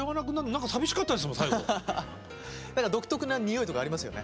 何か独特なにおいとかありますよね。